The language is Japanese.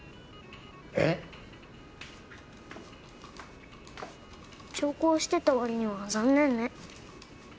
えっ？長考してたわりには残念ね。